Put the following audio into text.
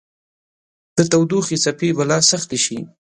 د تودوخې څپې به لا سختې شي